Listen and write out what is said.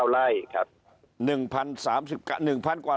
๑๐๓๙ไร่ครับ